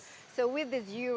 semua peluang yang muncul